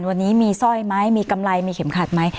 วันนี้มีสร้อยไหมมีกำไรมีเข็มขัดไหม